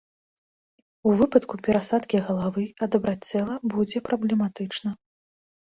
У выпадку перасадкі галавы адабраць цела будзе праблематычна.